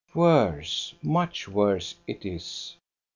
Worse, much worse it is.